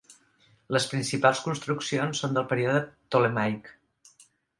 Les principals construccions són del període ptolemaic.